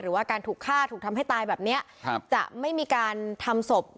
หรือว่าการถูกฆ่าถูกทำให้ตายแบบเนี้ยครับจะไม่มีการทำศพ